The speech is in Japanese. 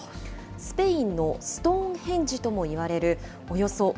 スペインのストーンヘンジともいわれるおよそ